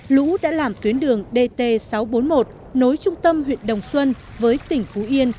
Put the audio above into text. lũ đã làm tuyến đường dt sáu trăm bốn mươi một nối trung tâm huyện đồng xuân với tỉnh phú yên